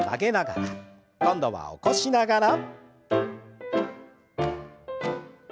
今度は起こしながら。